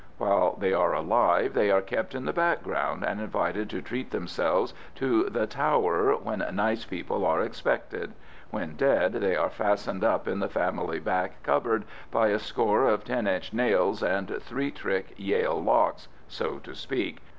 While they are alive they are kept in the background and invited to treat themselves to the Tower when nice people are expected; when dead they are fastened up in the family back cupboard by a score of ten inch nails and three trick Yale locks, so to speak.